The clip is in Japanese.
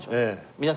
皆様？